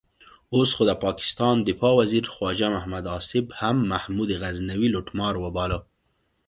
اوس خو د پاکستان دفاع وزیر خواجه محمد آصف هم محمود غزنوي لوټمار وباله.